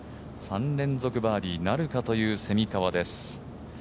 ３連続バーディーなるかという蝉川です。